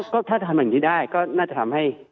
ก็ถ้าทำอย่างนี้ได้ก็น่าจะทำให้